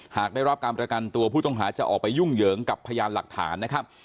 หากได้รับการประกันตัวผู้ต้องหาจะออกไปยุ่งเหยิงกับพยานหลักฐานนะครับ